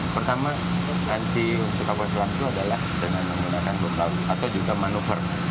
pertama anti untuk kapal selam itu adalah dengan menggunakan betawi atau juga manuver